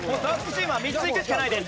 チームは３ついくしかないです。